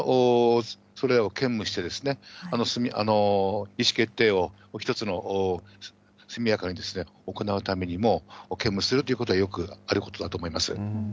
それらを兼務して、意思決定を一つの、速やかに行うためにも、兼務するということはよくあることだと思います。